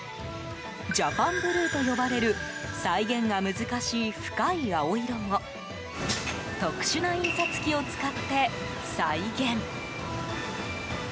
ジャパンブルーと呼ばれる再現が難しい深い青色も特殊な印刷機を使って再現。